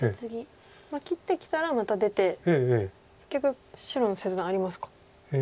切ってきたらまた出て結局白の切断ありますか。